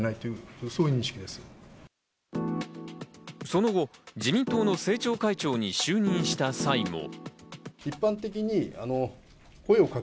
その後、自民党の政調会長に就任した際も。